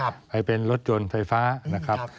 ให้เป็นรถยนต์ไฟฟ้านะครับ